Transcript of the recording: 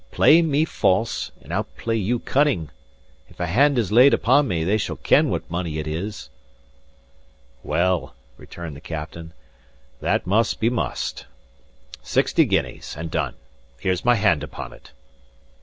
"Play me false, and I'll play you cunning. If a hand is laid upon me, they shall ken what money it is." *Befool. "Well," returned the captain, "what must be must. Sixty guineas, and done. Here's my hand upon it."